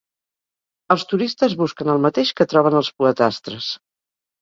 Els turistes busquen el mateix que troben els poetastres.